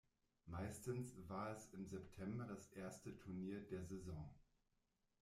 Meistens war es im September das erste Turnier der Saison.